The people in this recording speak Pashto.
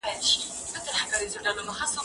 زه بايد د کتابتون د کار مرسته وکړم؟